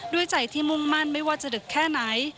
ด้วยใจที่มุ่งมั่นไม่ว่าจะดึกแค่ไหน